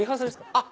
あっ。